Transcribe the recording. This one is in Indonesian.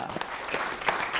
oke bang rizal